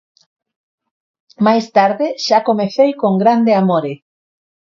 Máis tarde xa comecei con Grande Amore.